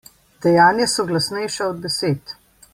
Dejanja so glasnejša od besed.